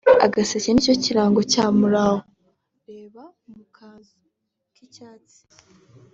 Agaseke nicyo kirango cya Muraho(reba mu kazu k'icyatsi)